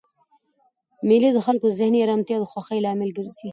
مېلې د خلکو د ذهني ارامتیا او خوښۍ لامل ګرځي.